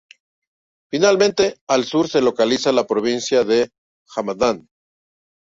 Finalmente, al sur se localiza la provincia de Hamadán.